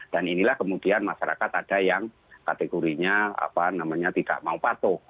dan inilah kemudian masyarakat ada yang kategorinya apa namanya tidak mau patuh